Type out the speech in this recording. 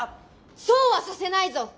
そうはさせないぞ。